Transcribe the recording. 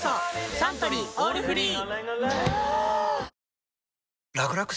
サントリー「オールフリー」！